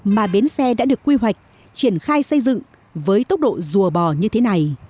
mà bến xe đã được quy hoạch triển khai xây dựng với tốc độ rùa bò như thế này